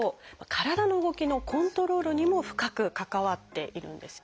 体の動きのコントロールにも深く関わっているんです。